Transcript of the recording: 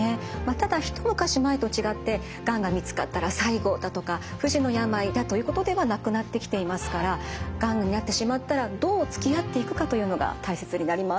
ただ一昔前と違ってがんが見つかったら最後だとか不治の病だということではなくなってきていますからがんになってしまったらどうつきあっていくかというのが大切になります。